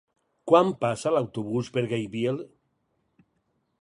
Quan passa l'autobús per Gaibiel?